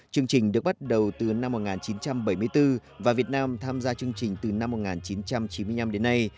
chương trình được bắt đầu từ năm một nghìn chín trăm bảy mươi bốn và việt nam tham gia chương trình từ năm một nghìn chín trăm chín mươi năm đến nay